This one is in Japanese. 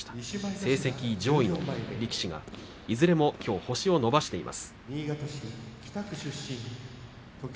成績上位の力士がいずれもきょう星を伸ばしています。